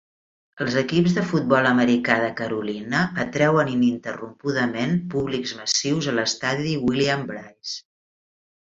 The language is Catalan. Els equips de futbol americà de Carolina atreuen ininterrompudament públics massius a l'estadi Williams-Brice.